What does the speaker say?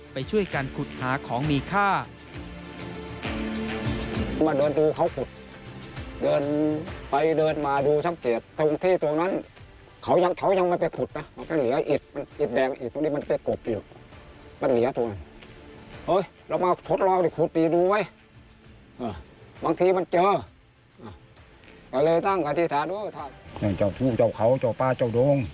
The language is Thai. ไปช่วยกันขุดหาของมีค่า